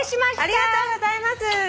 ありがとうございます！